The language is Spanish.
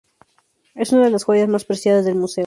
Es una de las joyas más preciadas del Museo.